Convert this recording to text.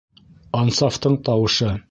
Ансафтың тауышы.